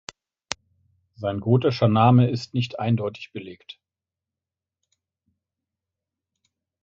Sein gotischer Name ist nicht eindeutig belegt.